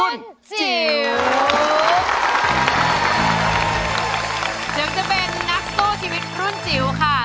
ถึงจะเป็นนักสู้ชีวิตรุ่นจิ๋วค่ะ